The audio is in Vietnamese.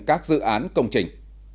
các dự án công trình